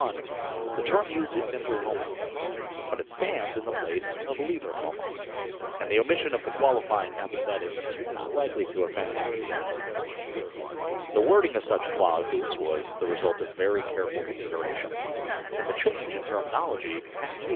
9), the term used is simply " homme," but it stands in the place of " liber homo," and the omission of the qualifying epithet is not likely to have been accidental : the wording of such clauses was the result of very careful considera tion, and the change in terminology has to be taken 1 Otherwise G.